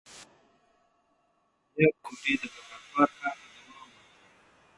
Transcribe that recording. پېیر کوري د لابراتوار کار ته دوام ورکړ.